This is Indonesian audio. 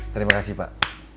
terima kasih pak